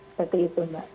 seperti itu mbak